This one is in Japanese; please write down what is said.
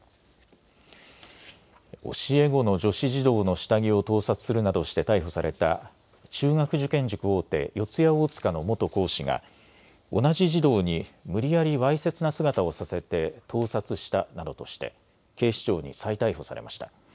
教え子の女子児童の下着を盗撮するなどして逮捕された中学受験塾大手、四谷大塚の元講師が同じ児童に無理やりわいせつな姿をさせて盗撮したなどとして警視庁に再逮捕されました。